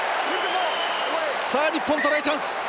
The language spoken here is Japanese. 日本、トライチャンス。